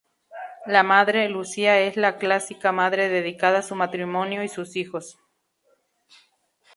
La madre, Lucía, es la clásica madre dedicada a su matrimonio y sus hijos.